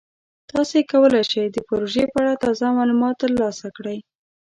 تاسو کولی شئ د پروژې په اړه تازه معلومات ترلاسه کړئ.